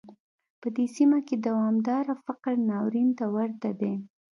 په دې سیمه کې دوامداره فقر ناورین ته ورته دی.